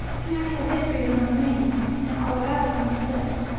Natural history is on the wing, and all about us on the foot.